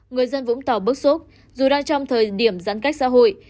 người dân vũng tàu bức xúc dù đang trong thời điểm giãn cách xã hội